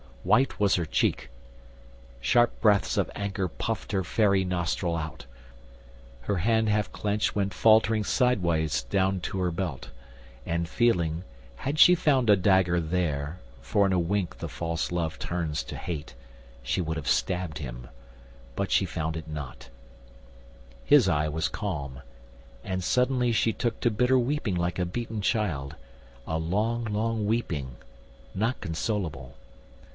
White was her cheek; sharp breaths of anger puffed Her fairy nostril out; her hand half clenched Went faltering sideways downward to her belt, And feeling; had she found a dagger there (For in a wink the false love turns to hate) She would have stabbed him; but she found it not: His eye was calm, and suddenly she took To bitter weeping like a beaten child, A long, long weeping, not consolable.